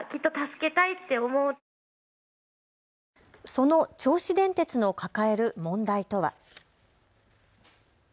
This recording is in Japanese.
その銚子電鉄の抱える問題とは。